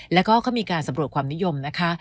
แล้วก็เขามีการสำรวจความนิยมนะคะ